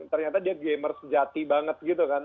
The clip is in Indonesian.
ternyata dia gamer sejati banget gitu kan